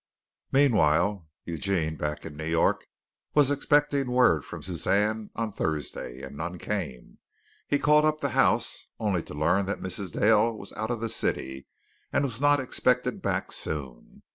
Meanwhile, Eugene back in New York was expecting word from Suzanne on Thursday, and none came. He called up the house only to learn that Mrs. Dale was out of the city and was not expected back soon.